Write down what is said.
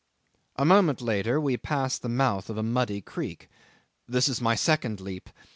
A moment later we passed the mouth of a muddy creek. "This is my second leap.